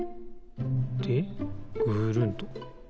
でぐるんと。